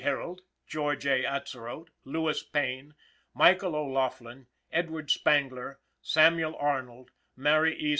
Herold, George A. Atzerodt, Lewis Payne, Michael O'Laughlin, Edward Spangler, Samuel Arnold, Mary E.